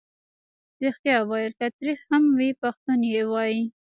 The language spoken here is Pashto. ریښتیا ویل که تریخ هم وي پښتون یې وايي.